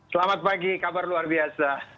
selamat pagi kabar luar biasa